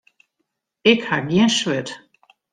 Ik ha gjin swurd.